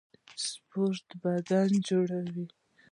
سپورټ بدن جوړوي